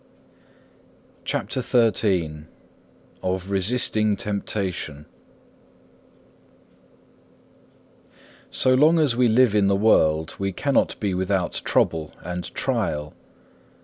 CHAPTER XIII Of resisting temptation So long as we live in the world, we cannot be without trouble and trial.